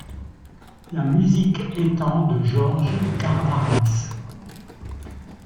La musique étant de Georges Garvarentz.